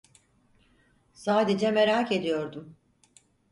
Sadece merak ediyordum.